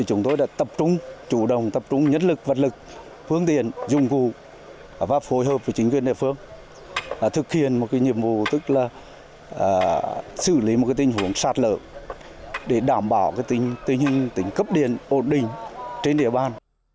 chúng tôi đã tập trung chủ động tập trung nhất lực vật lực phương tiện dùng vụ và phối hợp với chính quyền địa phương thực hiện một nhiệm vụ tức là xử lý một tình huống sạt lở để đảm bảo tình hình tính cấp điện ổn định trên địa bàn